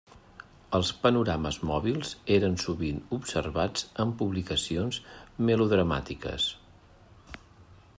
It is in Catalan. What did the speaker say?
Els panorames mòbils eren sovint observats en publicacions melodramàtiques.